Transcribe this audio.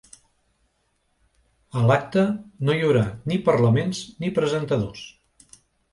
A l’acte no hi haurà ni parlaments ni presentadors.